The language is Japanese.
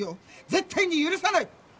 絶対に許さない！